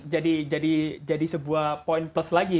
jadi ini jadi sebuah point plus lagi